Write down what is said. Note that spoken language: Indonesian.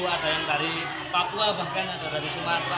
ada yang dari papua bahkan ada dari sumatera